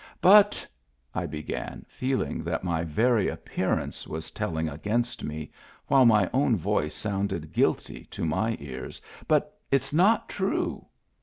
"But," I began, feeling that my very appear ance was telling against me, while my own voice sounded guilty to my ears, " but it's not true."